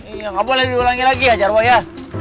iya nggak boleh diulangi lagi ya jarwo ya